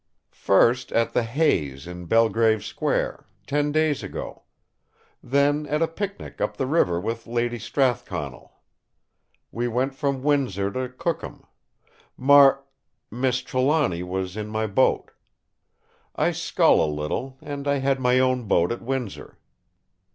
"First at the Hay's in Belgrave Square, ten days ago. Then at a picnic up the river with Lady Strathconnell. We went from Windsor to Cookham. Mar—Miss Trelawny was in my boat. I scull a little, and I had my own boat at Windsor.